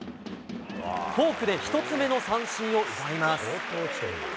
フォークで１つ目の三振を奪います。